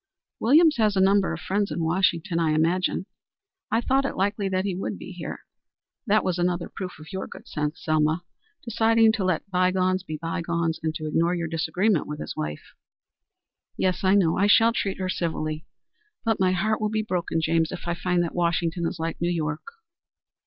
"Williams has a number of friends in Washington, I imagine. I thought it likely that he would be here. That was another proof of your good sense, Selma deciding to let bygones be bygones and to ignore your disagreement with his wife." "Yes, I know. I shall treat her civilly. But my heart will be broken, James, if I find that Washington is like New York."